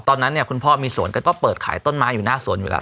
ตอนนั้นคุณพ่อมีสวนก็เปิดขายต้นม้าอยู่หน้าสวนอยู่แล้ว